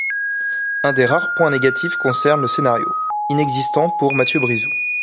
Un des rares points négatifs concerne le scénario, inexistant pour Mathieu Brisou.